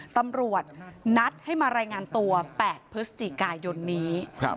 ตำรวจนัดให้มารายงานตัว๘พยนี้